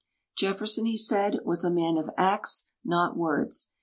" .Jelferson," he said, " was a man of acts, not words.